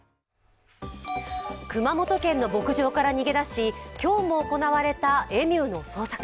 熊本県の牧場から逃げ出し今日も行われたエミューの捜索。